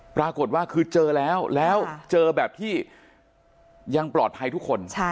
ปรากฏว่าคือเจอแล้วแล้วเจอแบบที่ยังปลอดภัยทุกคน